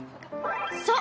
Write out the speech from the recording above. そう。